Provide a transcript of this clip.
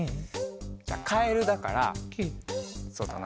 じゃあカエルだからそうだな。